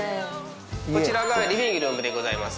こちらがリビングルームでございます